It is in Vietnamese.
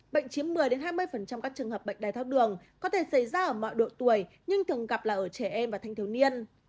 bệnh chiếm một mươi hai mươi các trường hợp bệnh đài thao đường có thể xảy ra ở mọi độ tuổi nhưng thường gặp là ở trẻ em và thanh thiếu niên